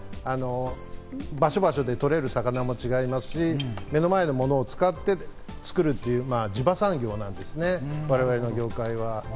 日本は海に囲まれているので場所、場所で取れる魚も違いますし、目の前のものを使って作るという地場産業です、我々の業界は。